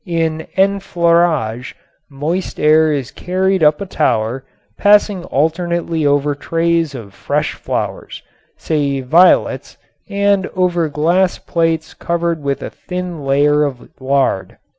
In enfleurage moist air is carried up a tower passing alternately over trays of fresh flowers, say violets, and over glass plates covered with a thin layer of lard.